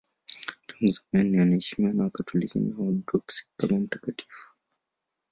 Tangu zamani anaheshimiwa na Wakatoliki na Waorthodoksi kama mtakatifu.